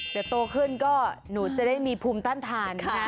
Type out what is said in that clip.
เดี๋ยวโตขึ้นก็หนูจะได้มีภูมิต้านทานนะ